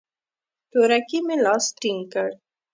تورکي مې لاس ټينگ کړ.